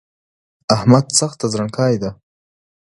احمد سخته زڼکای ده